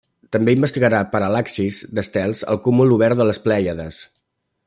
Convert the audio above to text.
També investigarà paral·laxis d'estels al cúmul obert de les Plèiades.